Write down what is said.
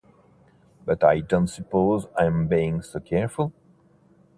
But I don't suppose I'm being so careful.